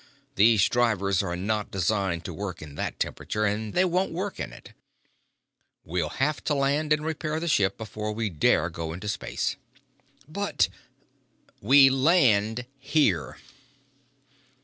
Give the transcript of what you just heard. These drivers are not designed to work in that temperature, and they won't work in it. We have to land and repair the ship before we dare go into space." "But " "We land here!"